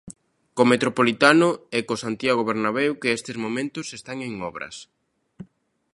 Co Metropolitano e co Santiago Bernabeu que estes momentos está en obras.